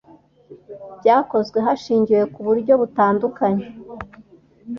byakozwe hashingiwe ku buryo butandukanye